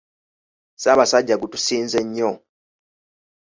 Ssaabasajja gutusinze nnyo